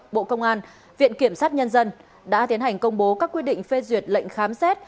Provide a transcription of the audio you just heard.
bộ công an viện kiểm sát nhân dân đã tiến hành công bố các quyết định phê duyệt lệnh khám xét